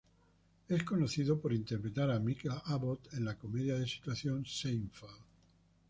Es conocido por interpretar a Mickey Abbott en la comedia de situación, "Seinfeld".